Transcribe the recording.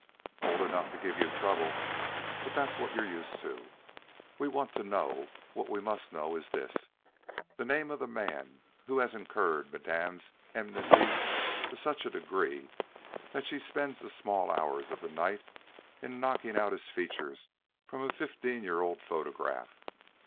"Old enough to give you trouble. But that you're used to. What we want to know what we must know is this: The name of the man who has incurred Madame's enmity to such a degree that she spends the small hours of the night in knocking out his features from a fifteen year old photograph.